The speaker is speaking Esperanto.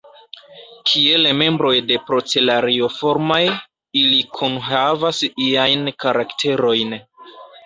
Kiel membroj de Procelarioformaj, ili kunhavas iajn karakterojn.